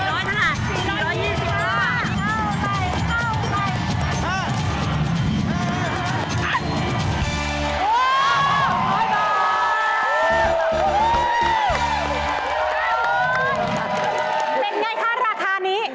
เป็นอย่างไรคะราคานี้